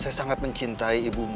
saya sangat mencintai ibumu